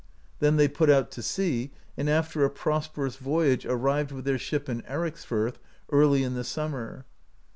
Then they put out to sea, and after a prosperous voyage arrived with their ship in Ericsfirth early in the summer.